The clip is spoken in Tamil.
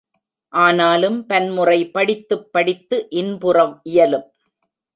ஆனாலும் பன்முறை படித்துப் படித்து இன்புற இயலும்.